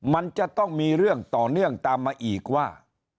มันจะต้องมีเรื่องต่อเนื่องตามมาอีกว่า